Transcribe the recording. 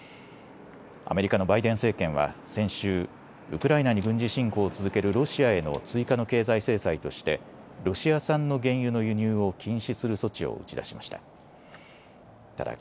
アメリカのバイデン政権は先週、ウクライナに軍事侵攻を続けるロシアへの追加の経済制裁としてロシア産の原油の輸入を禁止する措置を打ち出しました。